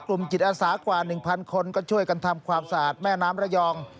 กลุ่มจิตอาสากว่า๑๐๐คนก็ช่วยกันทำความสะอาดแม่น้ำระยอง